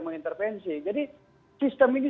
mengintervensi jadi sistem ini